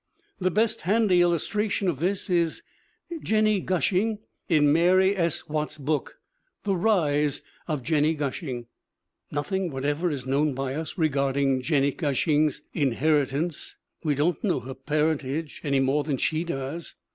The best handy illustration of this is Jennie Gushing in Mary S. Watts's book, The Rise of Jennie Gushing. Nothing whatever is known by us regard ing Jennie Cushing's inheritance; we don't know her parentage any more than she does.